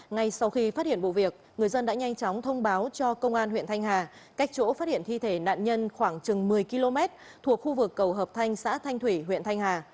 ngay sau khi phát hiện vụ việc người dân đã nhanh chóng thông báo cho công an huyện thanh hà cách chỗ phát hiện thi thể nạn nhân khoảng chừng một mươi km thuộc khu vực cầu hợp thanh xã thanh thủy huyện thanh hà